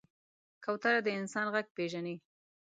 کوتره د انسان غږ پېژني.